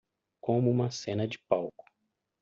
Como uma cena de palco